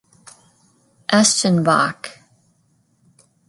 Eschenbach.